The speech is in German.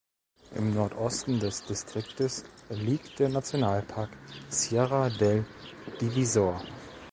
Im Nordosten des Distrikts liegt der Nationalpark Sierra del Divisor.